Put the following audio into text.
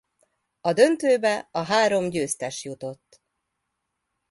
A döntőbe a három győztes jutott.